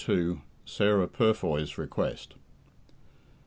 SARAH PURFOY'S REQUEST.